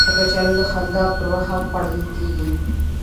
کچالو د خندا پر وخت هم خوړل کېږي